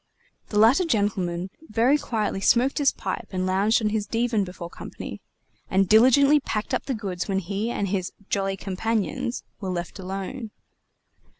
The latter gentleman very quietly smoked his pipe and lounged on his divan before company, and diligently packed up the goods when he and his "jolly companions" were left alone.